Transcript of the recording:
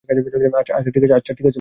আচ্ছা, ঠিক আছে, বলছি।